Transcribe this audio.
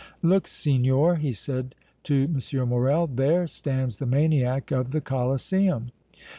"Look, signor!" he said to M. Morrel. "There stands the maniac of the Colosseum!"